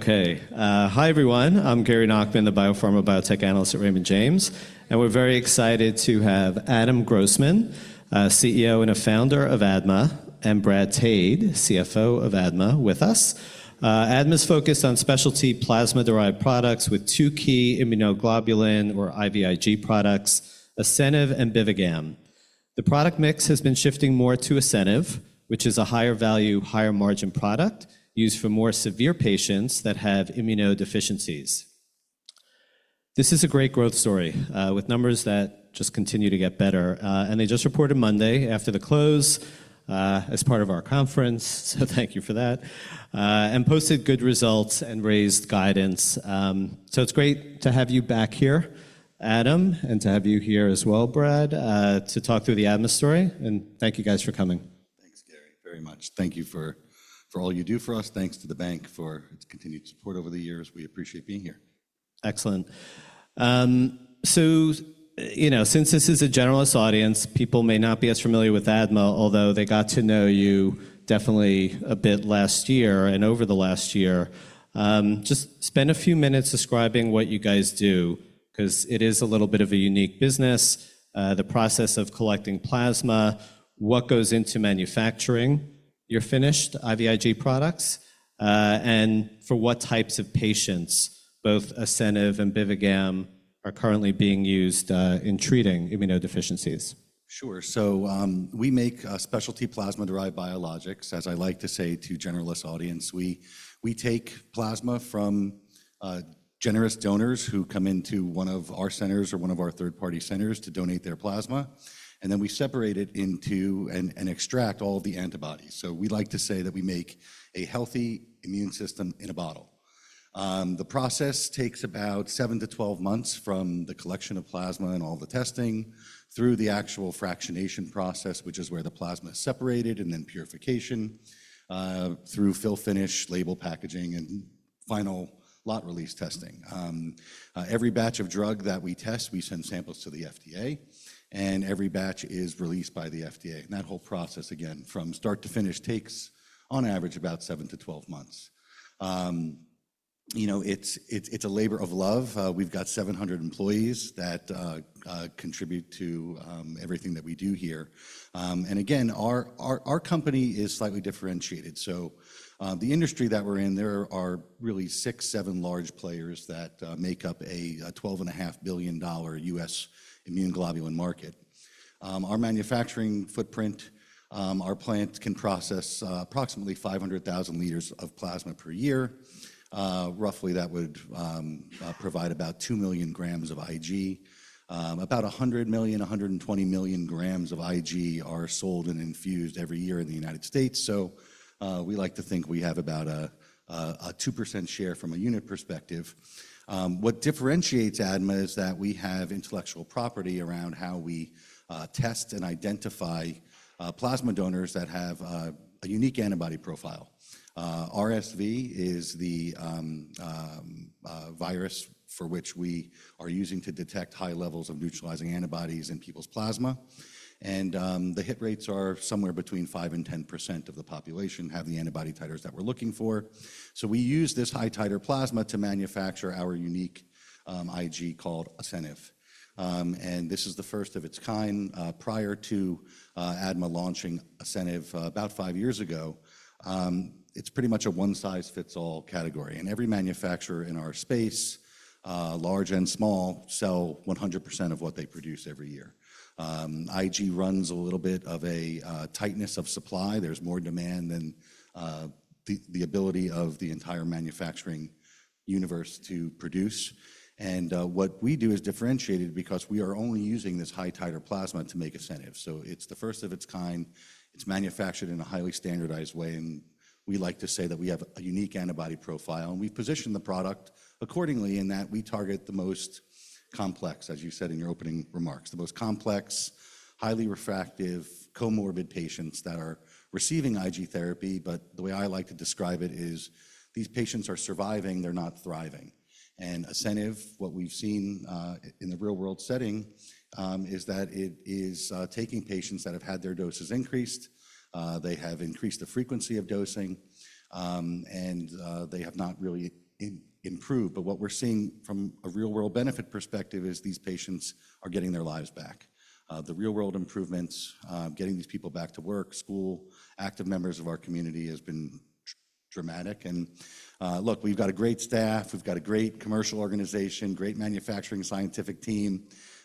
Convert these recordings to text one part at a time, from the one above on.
Okay. Hi, everyone. I'm Gary Nachman, the biopharma biotech analyst at Raymond James, and we're very excited to have Adam Grossman, CEO and founder of ADMA, and Brad Tade, CFO of ADMA, with us. ADMA is focused on specialty plasma-derived products with two key immunoglobulin, or IVIG, products, Asceniv and Bivigam. The product mix has been shifting more to Asceniv, which is a higher value, higher margin product used for more severe patients that have immunodeficiencies. This is a great growth story, with numbers that just continue to get better, and they just reported Monday after the close as part of our conference, so thank you for that, and posted good results and raised guidance, so it's great to have you back here, Adam, and to have you here as well, Brad, to talk through the ADMA story, and thank you guys for coming. Thanks, Gary, very much. Thank you for all you do for us. Thanks to the bank for its continued support over the years. We appreciate being here. Excellent. So since this is a generalist audience, people may not be as familiar with ADMA, although they got to know you definitely a bit last year and over the last year. Just spend a few minutes describing what you guys do, because it is a little bit of a unique business, the process of collecting plasma, what goes into manufacturing your finished IVIG products, and for what types of patients both Asceniv and Bivigam are currently being used in treating immunodeficiencies. Sure. So we make specialty plasma-derived biologics, as I like to say to a generalist audience. We take plasma from generous donors who come into one of our centers or one of our third-party centers to donate their plasma. And then we separate it and extract all of the antibodies. So we like to say that we make a healthy immune system in a bottle. The process takes about seven to 12 months from the collection of plasma and all the testing through the actual fractionation process, which is where the plasma is separated and then purification through fill-finish label packaging and final lot release testing. Every batch of drug that we test, we send samples to the FDA, and every batch is released by the FDA. And that whole process, again, from start to finish, takes on average about seven to 12 months. It's a labor of love. We've got 700 employees that contribute to everything that we do here. And again, our company is slightly differentiated. So the industry that we're in, there are really six, seven large players that make up a $12.5 billion US immunoglobulin market. Our manufacturing footprint, our plant can process approximately 500,000 liters of plasma per year. Roughly, that would provide about 2 million grams of IG. About 100 million-120 million grams of IG are sold and infused every year in the United States. So we like to think we have about a 2% share from a unit perspective. What differentiates ADMA is that we have intellectual property around how we test and identify plasma donors that have a unique antibody profile. RSV is the virus for which we are using to detect high levels of neutralizing antibodies in people's plasma. The hit rates are somewhere between 5% and 10% of the population have the antibody titers that we're looking for. We use this high-titer plasma to manufacture our unique IG called Asceniv. This is the first of its kind. Prior to ADMA launching Asceniv about five years ago, it's pretty much a one-size-fits-all category. Every manufacturer in our space, large and small, sell 100% of what they produce every year. IG runs a little bit of a tightness of supply. There's more demand than the ability of the entire manufacturing universe to produce. What we do is differentiated because we are only using this high-titer plasma to make Asceniv. It's the first of its kind. It's manufactured in a highly standardized way. We like to say that we have a unique antibody profile. We've positioned the product accordingly in that we target the most complex, as you said in your opening remarks, the most complex, highly refractory, comorbid patients that are receiving IG therapy. But the way I like to describe it is these patients are surviving. They're not thriving. And Asceniv, what we've seen in the real-world setting, is that it is taking patients that have had their doses increased. They have increased the frequency of dosing. And they have not really improved. But what we're seeing from a real-world benefit perspective is these patients are getting their lives back. The real-world improvements, getting these people back to work, school, active members of our community has been dramatic. And look, we've got a great staff. We've got a great commercial organization, great manufacturing scientific team.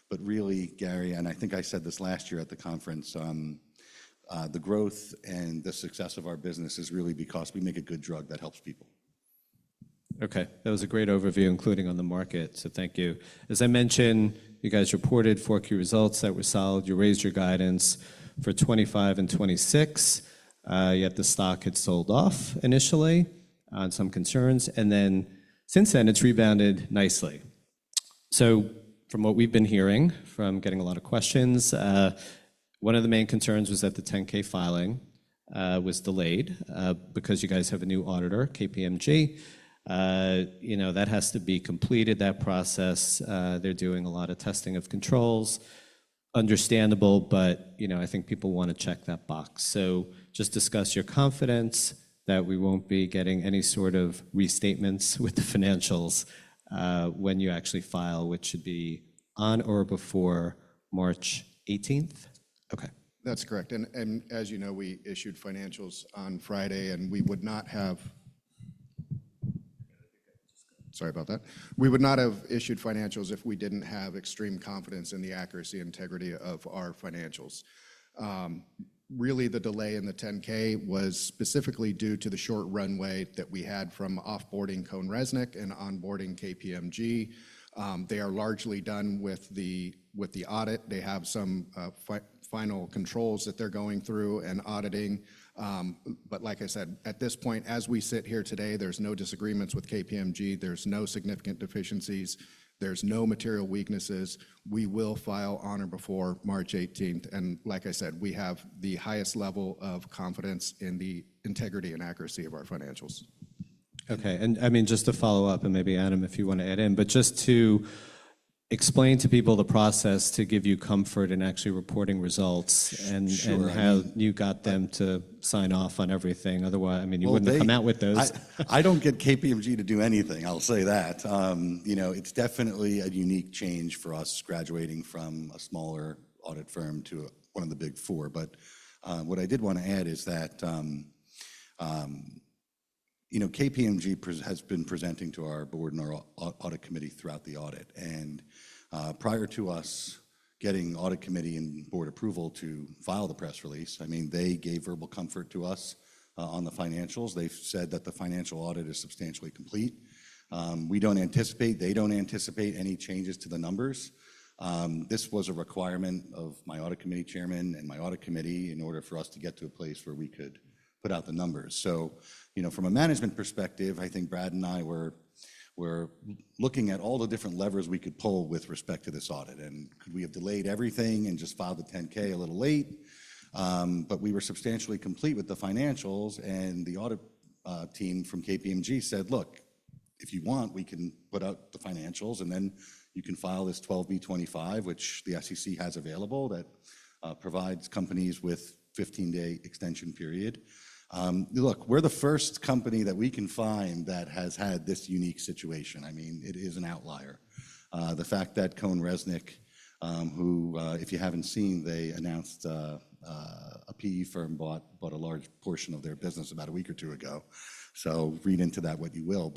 But really, Gary, and I think I said this last year at the conference, the growth and the success of our business is really because we make a good drug that helps people. Okay. That was a great overview, including on the market. So thank you. As I mentioned, you guys reported four key results that were solid. You raised your guidance for 2025 and 2026. Yet the stock had sold off initially on some concerns. And then since then, it's rebounded nicely. So from what we've been hearing from getting a lot of questions, one of the main concerns was that the 10-K filing was delayed because you guys have a new auditor, KPMG. That has to be completed, that process. They're doing a lot of testing of controls. Understandable. But I think people want to check that box. So just discuss your confidence that we won't be getting any sort of restatements with the financials when you actually file, which should be on or before March 18th. Okay. That's correct. And as you know, we issued financials on Friday. We would not have issued financials if we didn't have extreme confidence in the accuracy and integrity of our financials. Really, the delay in the 10-K was specifically due to the short runway that we had from offboarding CohnReznick and onboarding KPMG. They are largely done with the audit. They have some final controls that they're going through and auditing. But like I said, at this point, as we sit here today, there's no disagreements with KPMG. There's no significant deficiencies. There's no material weaknesses. We will file on or before March 18th. And like I said, we have the highest level of confidence in the integrity and accuracy of our financials. Okay. And I mean, just to follow up, and maybe Adam, if you want to add in, but just to explain to people the process to give you comfort in actually reporting results and how you got them to sign off on everything. Otherwise, I mean, you wouldn't have come out with those. I don't get KPMG to do anything. I'll say that. It's definitely a unique change for us graduating from a smaller audit firm to one of the big four. But what I did want to add is that KPMG has been presenting to our board and our audit committee throughout the audit. And prior to us getting audit committee and board approval to file the press release, I mean, they gave verbal comfort to us on the financials. They've said that the financial audit is substantially complete. We don't anticipate, they don't anticipate any changes to the numbers. This was a requirement of my audit committee chairman and my audit committee in order for us to get to a place where we could put out the numbers. So from a management perspective, I think Brad and I were looking at all the different levers we could pull with respect to this audit. And could we have delayed everything and just filed the 10-K a little late? But we were substantially complete with the financials. And the audit team from KPMG said, "Look, if you want, we can put out the financials. And then you can file this 12b-25, which the SEC has available that provides companies with a 15-day extension period." Look, we're the first company that we can find that has had this unique situation. I mean, it is an outlier. The fact that CohnReznick, who if you haven't seen, they announced a PE firm bought a large portion of their business about a week or two ago. So read into that what you will.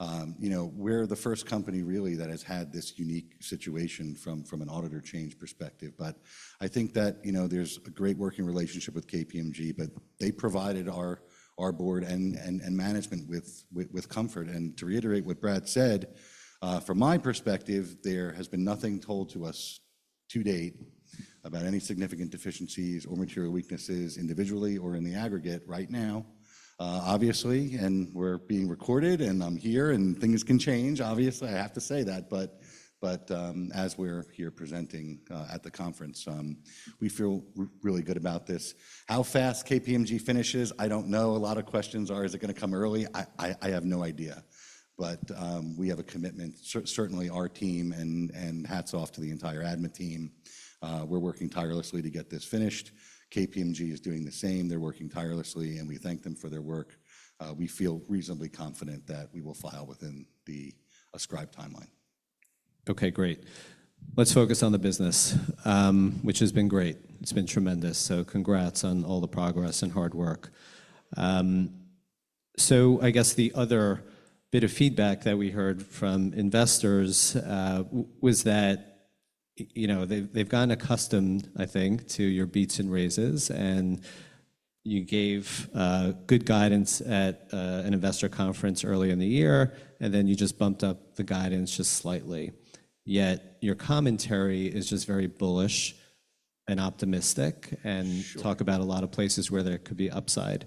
But we're the first company, really, that has had this unique situation from an auditor change perspective. But I think that there's a great working relationship with KPMG. But they provided our board and management with comfort. And to reiterate what Brad said, from my perspective, there has been nothing told to us to date about any significant deficiencies or material weaknesses individually or in the aggregate right now, obviously. And we're being recorded. And I'm here. And things can change, obviously. I have to say that. But as we're here presenting at the conference, we feel really good about this. How fast KPMG finishes, I don't know. A lot of questions are, is it going to come early? I have no idea. But we have a commitment, certainly our team. And hats off to the entire ADMA team. We're working tirelessly to get this finished. KPMG is doing the same. They're working tirelessly. We thank them for their work. We feel reasonably confident that we will file within the ascribed timeline. Okay. Great. Let's focus on the business, which has been great. It's been tremendous. So congrats on all the progress and hard work. So I guess the other bit of feedback that we heard from investors was that they've gotten accustomed, I think, to your beats and raises. And you gave good guidance at an investor conference early in the year. And then you just bumped up the guidance just slightly. Yet your commentary is just very bullish and optimistic and talk about a lot of places where there could be upside.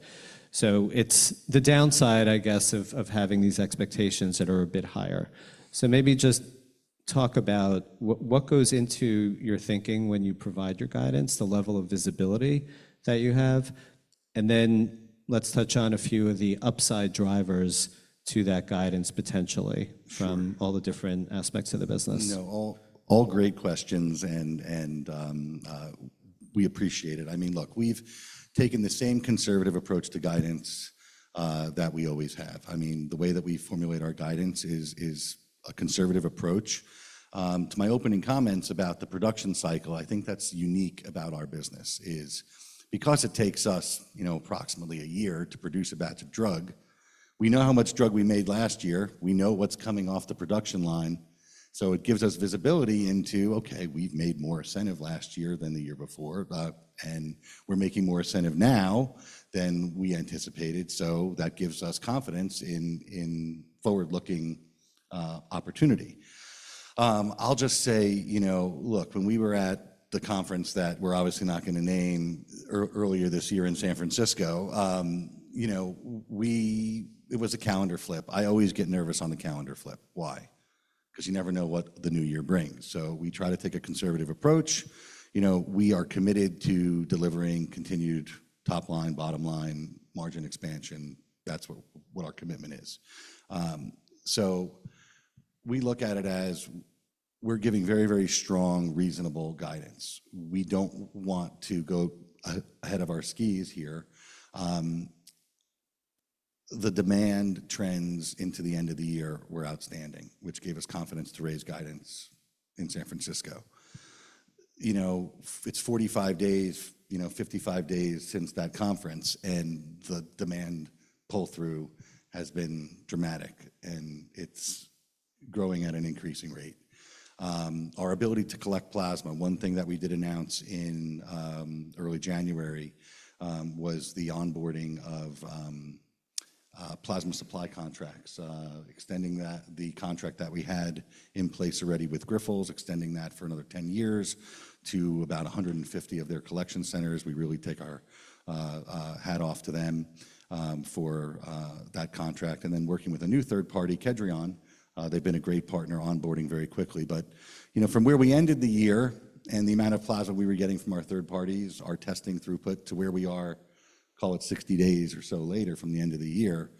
So it's the downside, I guess, of having these expectations that are a bit higher. So maybe just talk about what goes into your thinking when you provide your guidance, the level of visibility that you have. And then let's touch on a few of the upside drivers to that guidance potentially from all the different aspects of the business. All great questions, and we appreciate it. I mean, look, we've taken the same conservative approach to guidance that we always have. I mean, the way that we formulate our guidance is a conservative approach. To my opening comments about the production cycle, I think that's unique about our business is because it takes us approximately a year to produce a batch of drug, we know how much drug we made last year. We know what's coming off the production line. So it gives us visibility into, okay, we've made more Asceniv last year than the year before. And we're making more Asceniv now than we anticipated. So that gives us confidence in forward-looking opportunity. I'll just say, look, when we were at the conference that we're obviously not going to name earlier this year in San Francisco, it was a calendar flip. I always get nervous on the calendar flip. Why? Because you never know what the new year brings. So we try to take a conservative approach. We are committed to delivering continued top line, bottom line, margin expansion. That's what our commitment is. So we look at it as we're giving very, very strong, reasonable guidance. We don't want to go ahead of our skis here. The demand trends into the end of the year were outstanding, which gave us confidence to raise guidance in San Francisco. It's 45 days, 55 days since that conference. And the demand pull-through has been dramatic. And it's growing at an increasing rate. Our ability to collect plasma: one thing that we did announce in early January was the onboarding of plasma supply contracts, extending the contract that we had in place already with Grifols, extending that for another 10 years to about 150 of their collection centers. We really take our hat off to them for that contract and then working with a new third party, Kedrion. They've been a great partner onboarding very quickly, but from where we ended the year and the amount of plasma we were getting from our third parties, our testing throughput to where we are, call it 60 days or so later from the end of the year,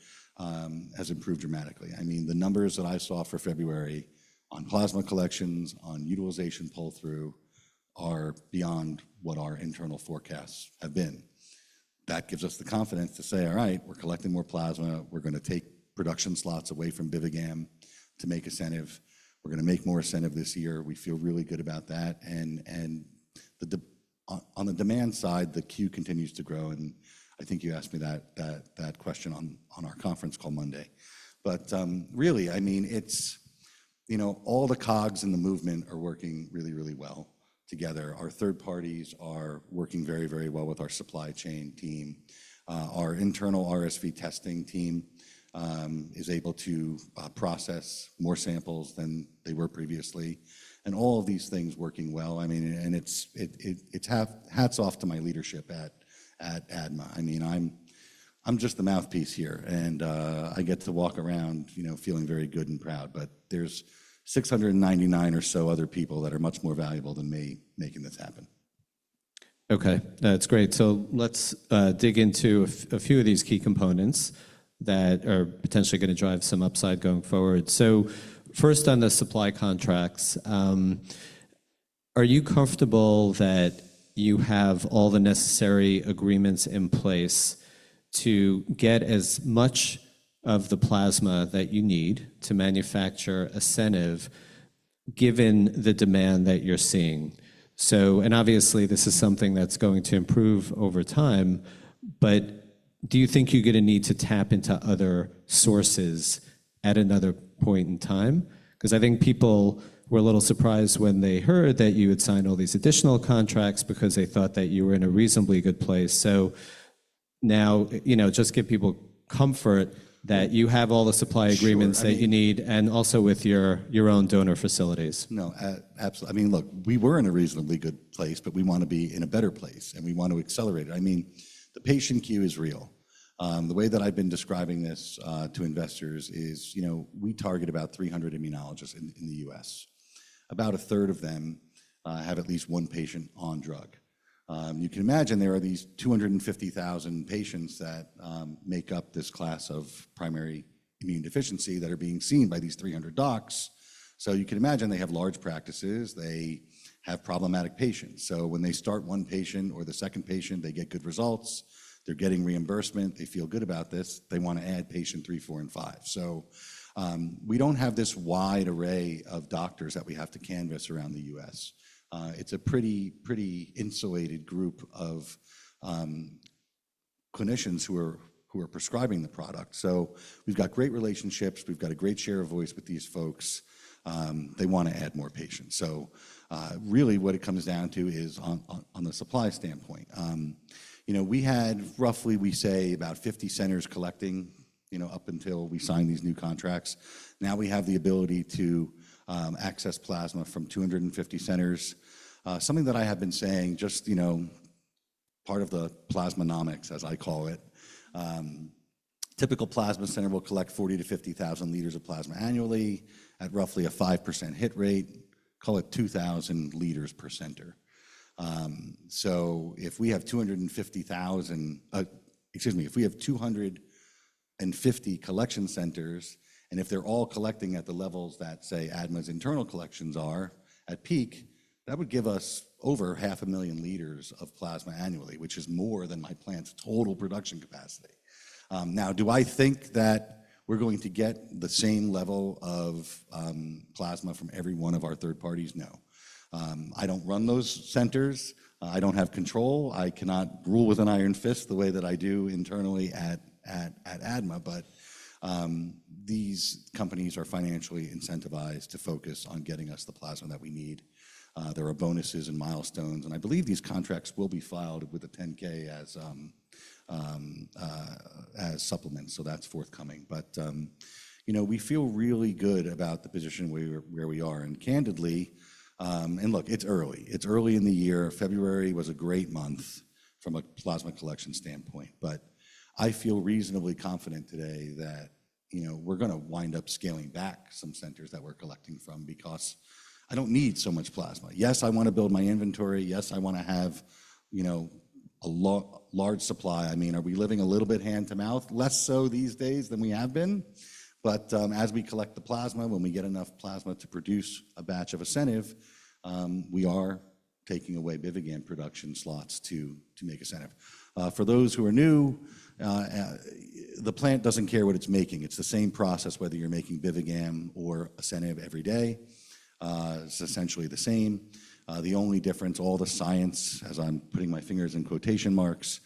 has improved dramatically. I mean, the numbers that I saw for February on plasma collections, on utilization pull-through, are beyond what our internal forecasts have been. That gives us the confidence to say, "All right, we're collecting more plasma. We're going to take production slots away from Bivigam to make Asceniv. We're going to make more Asceniv this year." We feel really good about that. And on the demand side, the queue continues to grow. And I think you asked me that question on our conference call Monday. But really, I mean, all the cogs in the movement are working really, really well together. Our third parties are working very, very well with our supply chain team. Our internal RSV testing team is able to process more samples than they were previously. And all of these things working well. I mean, and it's hats off to my leadership at ADMA. I mean, I'm just the mouthpiece here. And I get to walk around feeling very good and proud. But there's 699 or so other people that are much more valuable than me making this happen. Okay. That's great. So let's dig into a few of these key components that are potentially going to drive some upside going forward. So first, on the supply contracts, are you comfortable that you have all the necessary agreements in place to get as much of the plasma that you need to manufacture Asceniv given the demand that you're seeing? And obviously, this is something that's going to improve over time. But do you think you're going to need to tap into other sources at another point in time? Because I think people were a little surprised when they heard that you had signed all these additional contracts because they thought that you were in a reasonably good place. So now just give people comfort that you have all the supply agreements that you need and also with your own donor facilities. No. Absolutely. I mean, look, we were in a reasonably good place, but we want to be in a better place and we want to accelerate it. I mean, the patient queue is real. The way that I've been describing this to investors is we target about 300 immunologists in the U.S. About a third of them have at least one patient on drug. You can imagine there are these 250,000 patients that make up this class of primary immune deficiency that are being seen by these 300 docs, so you can imagine they have large practices. They have problematic patients, so when they start one patient or the second patient, they get good results. They're getting reimbursement. They feel good about this. They want to add patient three, four, and five, so we don't have this wide array of doctors that we have to canvass around the U.S. It's a pretty insulated group of clinicians who are prescribing the product. So we've got great relationships. We've got a great share of voice with these folks. They want to add more patients. So really, what it comes down to is on the supply standpoint. We had roughly, we say, about 50 centers collecting up until we signed these new contracts. Now we have the ability to access plasma from 250 centers. Something that I have been saying, just part of the Plasmanomics, as I call it, typical plasma center will collect 40,000-50,000 liters of plasma annually at roughly a 5% hit rate. Call it 2,000 liters per center. So if we have 250,000, excuse me, if we have 250 collection centers, and if they're all collecting at the levels that, say, ADMA's internal collections are at peak, that would give us over half a million liters of plasma annually, which is more than my plant's total production capacity. Now, do I think that we're going to get the same level of plasma from every one of our third parties? No. I don't run those centers. I don't have control. I cannot rule with an iron fist the way that I do internally at ADMA. But these companies are financially incentivized to focus on getting us the plasma that we need. There are bonuses and milestones. And I believe these contracts will be filed with a 10-K as supplements. So that's forthcoming. But we feel really good about the position where we are. And candidly, and look, it's early. It's early in the year. February was a great month from a plasma collection standpoint. But I feel reasonably confident today that we're going to wind up scaling back some centers that we're collecting from because I don't need so much plasma. Yes, I want to build my inventory. Yes, I want to have a large supply. I mean, are we living a little bit hand-to-mouth? Less so these days than we have been. But as we collect the plasma, when we get enough plasma to produce a batch of Asceniv, we are taking away Bivigam production slots to make Asceniv. For those who are new, the plant doesn't care what it's making. It's the same process whether you're making Bivigam or Asceniv every day. It's essentially the same. The only difference, all the science, as I'm putting my fingers in quotation marks,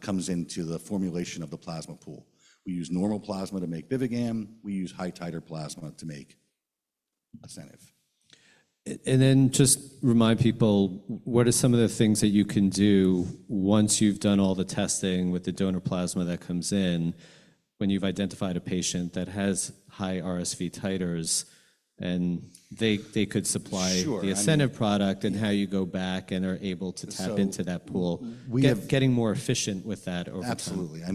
comes into the formulation of the plasma pool. We use normal plasma to make Bivigam. We use high-titer plasma to make Asceniv. And then just remind people, what are some of the things that you can do once you've done all the testing with the donor plasma that comes in, when you've identified a patient that has high RSV titers and they could supply the Asceniv product, and how you go back and are able to tap into that pool, getting more efficient with that over time? Absolutely. I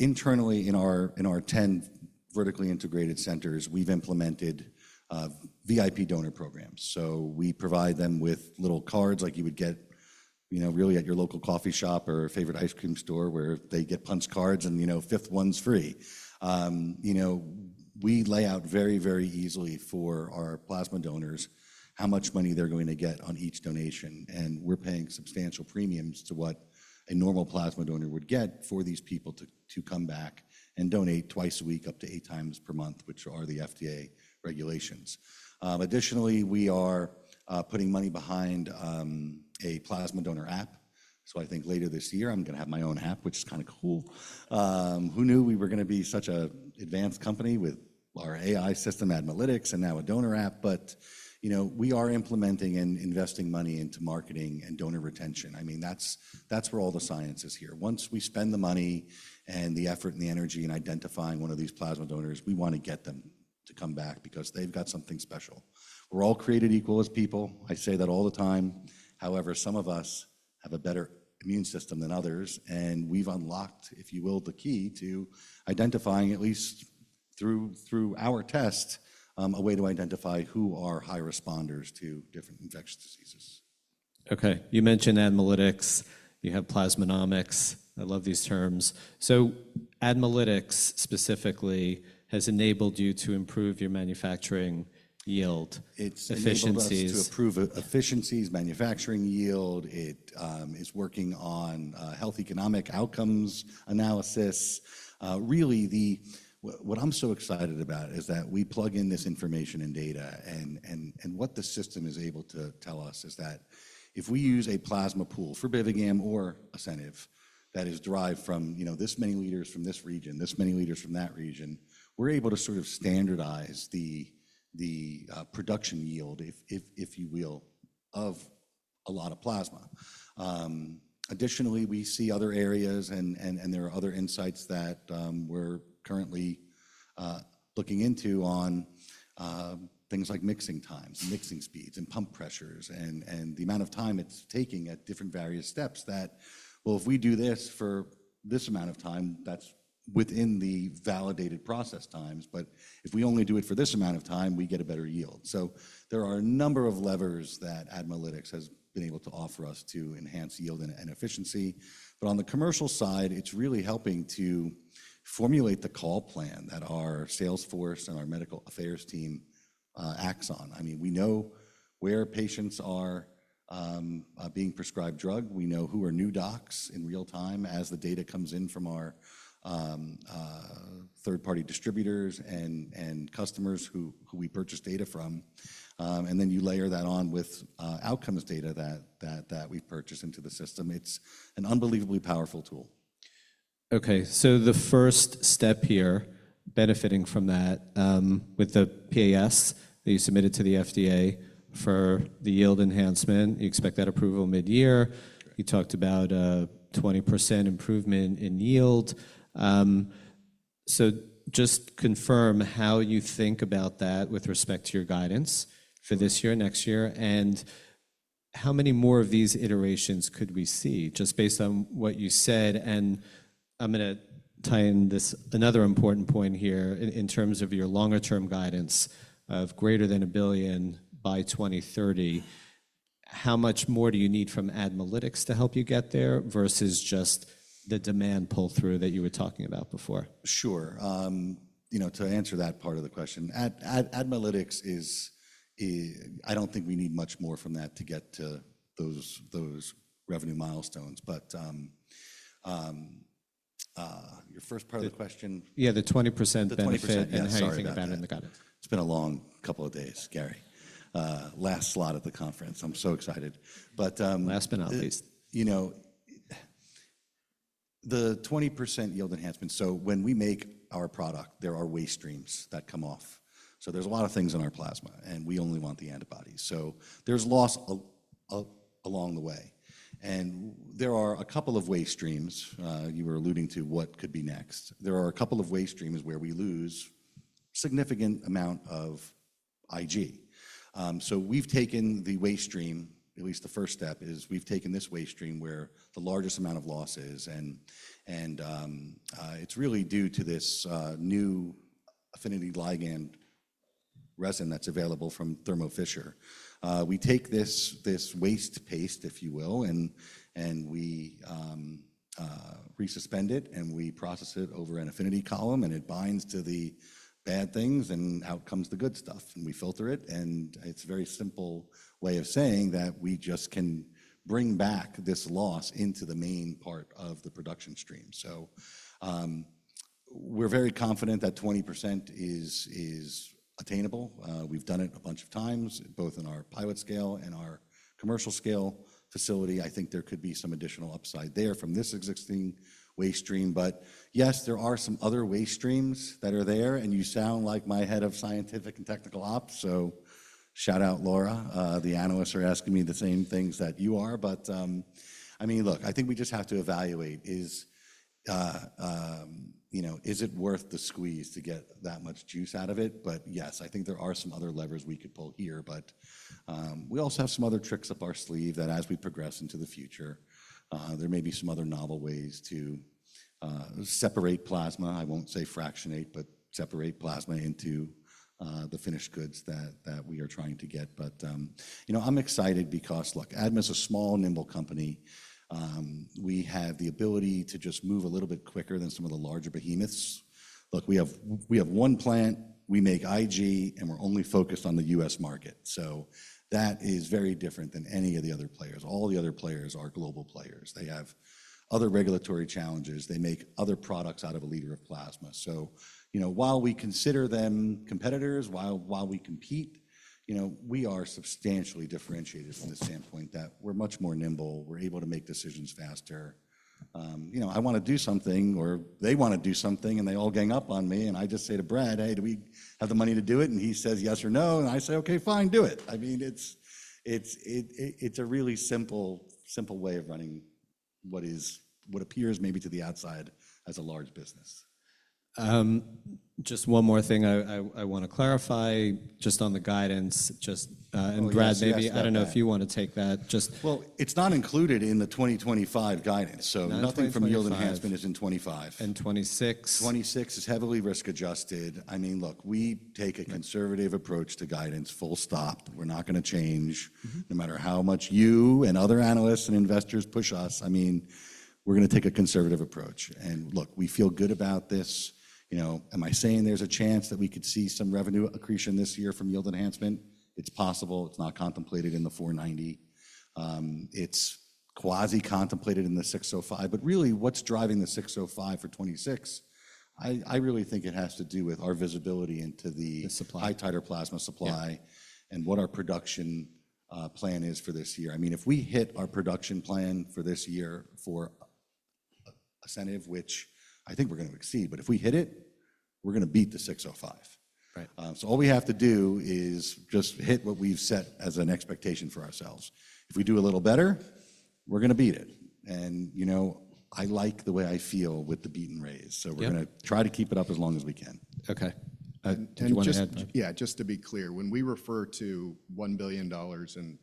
mean, internally in our 10 vertically integrated centers, we've implemented VIP donor programs. So we provide them with little cards like you would get really at your local coffee shop or favorite ice cream store where they get punch cards and fifth ones free. We lay out very, very easily for our plasma donors how much money they're going to get on each donation. And we're paying substantial premiums to what a normal plasma donor would get for these people to come back and donate twice a week up to eight times per month, which are the FDA regulations. Additionally, we are putting money behind a plasma donor app. So I think later this year, I'm going to have my own app, which is kind of cool. Who knew we were going to be such an advanced company with our AI system, ADMAlytics, and now a donor app? But we are implementing and investing money into marketing and donor retention. I mean, that's where all the science is here. Once we spend the money and the effort and the energy in identifying one of these plasma donors, we want to get them to come back because they've got something special. We're all created equal as people. I say that all the time. However, some of us have a better immune system than others. And we've unlocked, if you will, the key to identifying at least through our test a way to identify who are high responders to different infectious diseases. Okay. You mentioned ADMAlytics. You have Plasmonomics. I love these terms. So ADMAlytics specifically has enabled you to improve your manufacturing yield efficiencies. It's enabled us to improve efficiencies, manufacturing yield. It is working on health economic outcomes analysis. Really, what I'm so excited about is that we plug in this information and data, and what the system is able to tell us is that if we use a plasma pool for Bivigam or Asceniv that is derived from this many liters from this region, this many liters from that region, we're able to sort of standardize the production yield, if you will, of a lot of plasma. Additionally, we see other areas, and there are other insights that we're currently looking into on things like mixing times and mixing speeds and pump pressures and the amount of time it's taking at different various steps that, well, if we do this for this amount of time, that's within the validated process times. But if we only do it for this amount of time, we get a better yield. So there are a number of levers that ADMAlytics has been able to offer us to enhance yield and efficiency. But on the commercial side, it's really helping to formulate the call plan that our sales force and our medical affairs team acts on. I mean, we know where patients are being prescribed drug. We know who are new docs in real time as the data comes in from our third-party distributors and customers who we purchase data from. And then you layer that on with outcomes data that we've purchased into the system. It's an unbelievably powerful tool. Okay. So the first step here, benefiting from that, with the PAS that you submitted to the FDA for the yield enhancement, you expect that approval mid-year. You talked about a 20% improvement in yield. So just confirm how you think about that with respect to your guidance for this year and next year. And how many more of these iterations could we see just based on what you said? And I'm going to tie in this another important point here in terms of your longer-term guidance of greater than a billion by 2030. How much more do you need from ADMAlytics to help you get there versus just the demand pull-through that you were talking about before? Sure. To answer that part of the question, ADMAlytics is. I don't think we need much more from that to get to those revenue milestones. But your first part of the question? Yeah, the 20% benefit and how you think about it in the guidance. It's been a long couple of days, Gary. Last slot of the conference. I'm so excited. Last but not least. The 20% yield enhancement, so when we make our product, there are waste streams that come off, so there's a lot of things in our plasma, and we only want the antibodies, so there's loss along the way, and there are a couple of waste streams you were alluding to what could be next. There are a couple of waste streams where we lose a significant amount of Ig. So we've taken the waste stream, at least the first step is we've taken this waste stream where the largest amount of loss is, and it's really due to this new affinity ligand resin that's available from Thermo Fisher. We take this waste paste, if you will, and we resuspend it, and we process it over an affinity column, and it binds to the bad things, and out comes the good stuff, and we filter it. And it's a very simple way of saying that we just can bring back this loss into the main part of the production stream. So we're very confident that 20% is attainable. We've done it a bunch of times both in our pilot scale and our commercial scale facility. I think there could be some additional upside there from this existing waste stream. But yes, there are some other waste streams that are there. And you sound like my head of scientific and technical ops. So shout out, Laura. The analysts are asking me the same things that you are. But I mean, look, I think we just have to evaluate. Is it worth the squeeze to get that much juice out of it? But yes, I think there are some other levers we could pull here. But we also have some other tricks up our sleeve that as we progress into the future, there may be some other novel ways to separate plasma. I won't say fractionate, but separate plasma into the finished goods that we are trying to get. But I'm excited because, look, ADMA is a small, nimble company. We have the ability to just move a little bit quicker than some of the larger behemoths. Look, we have one plant. We make IG. And we're only focused on the U.S. market. So that is very different than any of the other players. All the other players are global players. They have other regulatory challenges. They make other products out of a liter of plasma. So while we consider them competitors, while we compete, we are substantially differentiated from the standpoint that we're much more nimble. We're able to make decisions faster. I want to do something or they want to do something. And they all gang up on me. And I just say to Brad, "Hey, do we have the money to do it?" And he says yes or no. And I say, "OK, fine. Do it." I mean, it's a really simple way of running what appears maybe to the outside as a large business. Just one more thing I want to clarify just on the guidance. And Brad, maybe I don't know if you want to take that. It's not included in the 2025 guidance. Nothing from yield enhancement is in '25. And '26? '26 is heavily risk-adjusted. I mean, look, we take a conservative approach to guidance. Full stop. We're not going to change no matter how much you and other analysts and investors push us. I mean, we're going to take a conservative approach. And look, we feel good about this. Am I saying there's a chance that we could see some revenue accretion this year from yield enhancement? It's possible. It's not contemplated in the 490. It's quasi-contemplated in the 605. But really, what's driving the 605 for '26? I really think it has to do with our visibility into the high-titer plasma supply and what our production plan is for this year. I mean, if we hit our production plan for this year for Asceniv, which I think we're going to exceed, but if we hit it, we're going to beat the 605. So all we have to do is just hit what we've set as an expectation for ourselves. If we do a little better, we're going to beat it. And I like the way I feel with the beat and raise. So we're going to try to keep it up as long as we can. OK. Yeah, just to be clear, when we refer to $1 billion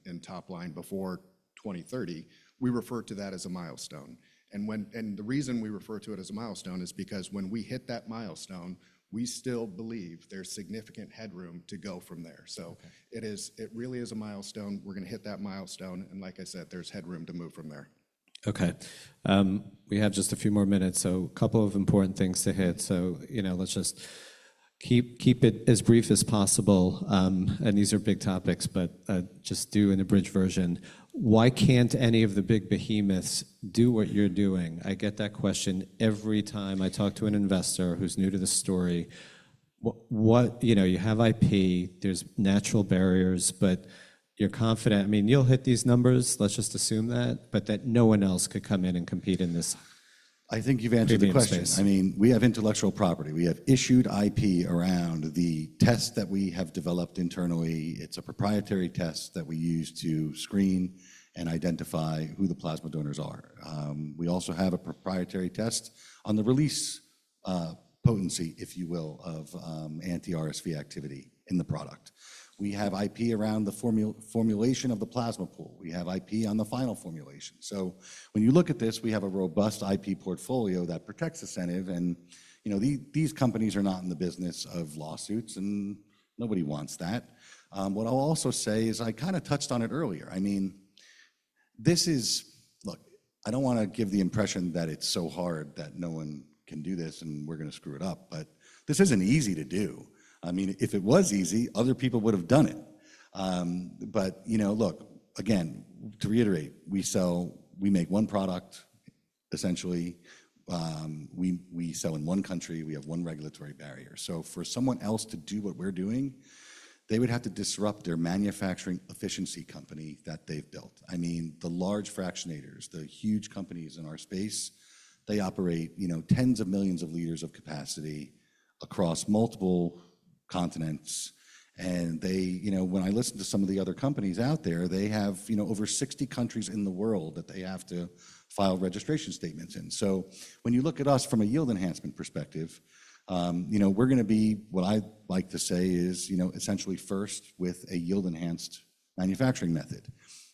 in top line before 2030, we refer to that as a milestone. And the reason we refer to it as a milestone is because when we hit that milestone, we still believe there's significant headroom to go from there. So it really is a milestone. We're going to hit that milestone. And like I said, there's headroom to move from there. OK. We have just a few more minutes. So a couple of important things to hit. So let's just keep it as brief as possible. And these are big topics, but just do an abridged version. Why can't any of the big behemoths do what you're doing? I get that question every time I talk to an investor who's new to the story. You have IP. There's natural barriers. But you're confident. I mean, you'll hit these numbers. Let's just assume that, but that no one else could come in and compete in this big space. I think you've answered the question. I mean, we have intellectual property. We have issued IP around the test that we have developed internally. It's a proprietary test that we use to screen and identify who the plasma donors are. We also have a proprietary test on the release potency, if you will, of anti-RSV activity in the product. We have IP around the formulation of the plasma pool. We have IP on the final formulation. So when you look at this, we have a robust IP portfolio that protects Asceniv. And these companies are not in the business of lawsuits. And nobody wants that. What I'll also say is I kind of touched on it earlier. I mean, this is, look, I don't want to give the impression that it's so hard that no one can do this and we're going to screw it up. But this isn't easy to do. I mean, if it was easy, other people would have done it. But look, again, to reiterate, we make one product, essentially. We sell in one country. We have one regulatory barrier. So for someone else to do what we're doing, they would have to disrupt their manufacturing efficiency company that they've built. I mean, the large fractionators, the huge companies in our space, they operate tens of millions of liters of capacity across multiple continents. And when I listen to some of the other companies out there, they have over 60 countries in the world that they have to file registration statements in. So when you look at us from a yield enhancement perspective, we're going to be what I like to say is essentially first with a yield-enhanced manufacturing method.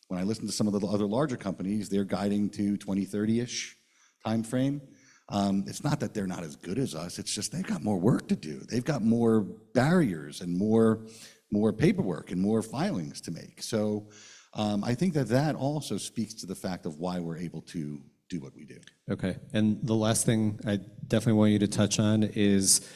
When I listen to some of the other larger companies, they're guiding to 2030-ish time frame. It's not that they're not as good as us. It's just they've got more work to do. They've got more barriers and more paperwork and more filings to make. So I think that that also speaks to the fact of why we're able to do what we do. OK. And the last thing I definitely want you to touch on is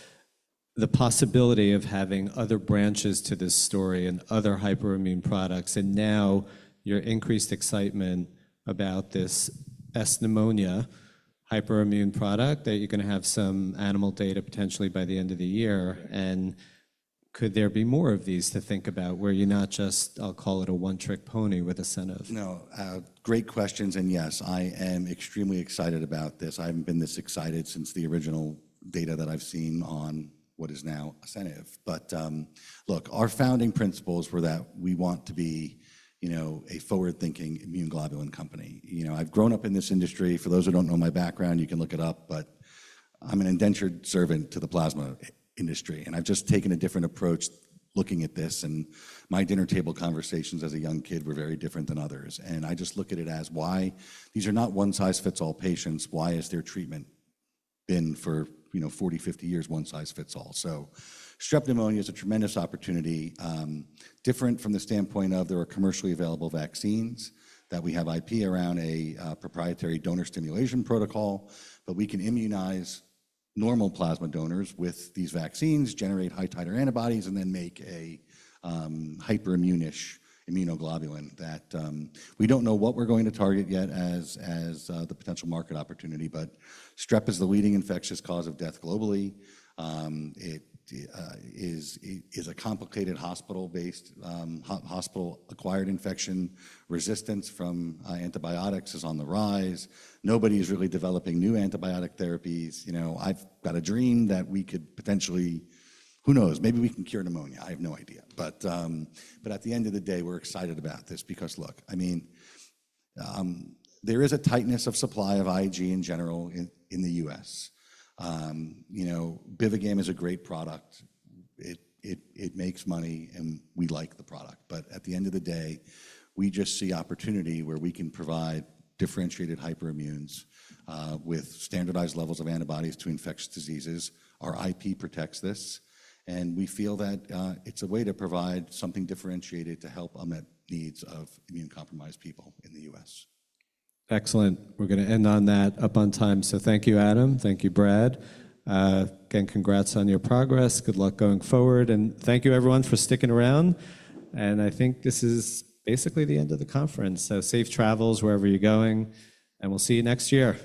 the possibility of having other branches to this story and other hyperimmune products. And now your increased excitement about this S. pneumoniae hyperimmune product that you're going to have some animal data potentially by the end of the year. And could there be more of these to think about where you're not just, I'll call it a one-trick pony with Asceniv? No. Great questions and yes, I am extremely excited about this. I haven't been this excited since the original data that I've seen on what is now Asceniv. But look, our founding principles were that we want to be a forward-thinking immune globulin company. I've grown up in this industry. For those who don't know my background, you can look it up. But I'm an indentured servant to the plasma industry. And I've just taken a different approach looking at this. And my dinner table conversations as a young kid were very different than others. And I just look at it as why these are not one-size-fits-all patients. Why has their treatment been for 40, 50 years one-size-fits-all? So Strep pneumoniaea is a tremendous opportunity, different from the standpoint of there are commercially available vaccines that we have IP around a proprietary donor stimulation protocol. But we can immunize normal plasma donors with these vaccines, generate high-titer antibodies, and then make a hyperimmune-ish immunoglobulin that we don't know what we're going to target yet as the potential market opportunity. But Strep is the leading infectious cause of death globally. It is a complicated hospital-based hospital-acquired infection. Resistance from antibiotics is on the rise. Nobody is really developing new antibiotic therapies. I've got a dream that we could potentially who knows, maybe we can cure pneumonia. I have no idea. But at the end of the day, we're excited about this because, look, I mean, there is a tightness of supply of Ig in general in the U.S. Bivigam is a great product. It makes money. And we like the product. But at the end of the day, we just see opportunity where we can provide differentiated hyperimmunes with standardized levels of antibodies to infectious diseases. Our IP protects this. And we feel that it's a way to provide something differentiated to help unmet needs of immune-compromised people in the U.S. Excellent. We're going to end on that, up on time, so thank you, Adam. Thank you, Brad. Again, congrats on your progress. Good luck going forward, and thank you, everyone, for sticking around. I think this is basically the end of the conference, so safe travels wherever you're going, and we'll see you next year.